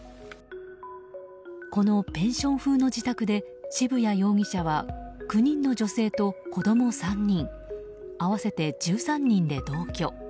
このペンション風の自宅で渋谷容疑者は９人の女性と子供３人合わせて１３人で同居。